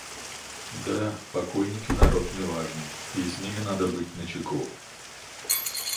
Да, покойники народ неважный, и с ними надо быть начеку.